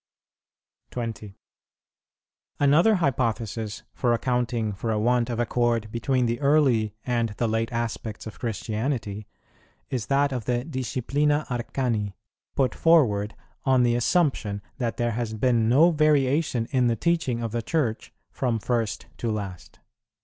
20. Another hypothesis for accounting for a want of accord between the early and the late aspects of Christianity is that of the Disciplina Arcani, put forward on the assumption that there has been no variation in the teaching of the Church from first to last.